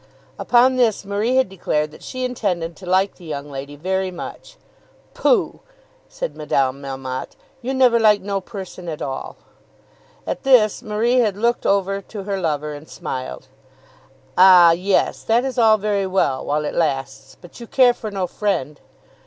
Upon this Marie had declared that she intended to like the young lady very much. "Pooh!" said Madame Melmotte. "You never like no person at all." At this Marie had looked over to her lover and smiled. "Ah, yes; that is all very well, while it lasts; but you care for no friend."